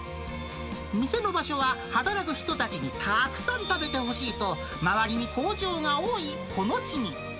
店の場所は働く人たちにたくさん食べてほしいと、周りに工場が多いこの地に。